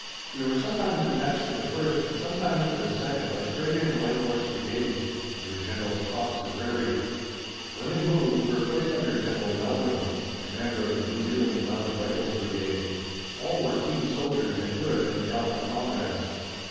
We were sometimes attached to the 1st and sometimes to the 2nd Australian Light Horse Brigades under Generals Cox and Ryrie; when they moved we were placed under General Meldrum, the Commander of the New Zealand Mounted Rifles Brigade. All were keen soldiers and good and gallant comrades.